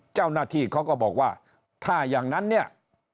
เจ้าหน้าที่เขาก็บอกว่าถ้าอย่างนั้นเนี่ย